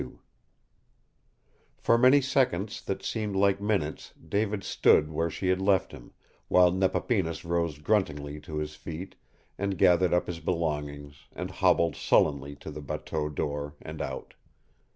XXII For many seconds that seemed like minutes David stood where she had left him, while Nepapinas rose gruntingly to his feet, and gathered up his belongings, and hobbled sullenly to the bateau door and out.